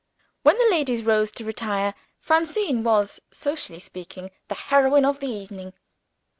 When the ladies rose to retire, Francine was, socially speaking, the heroine of the evening.